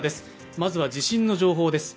まずは地震の情報です。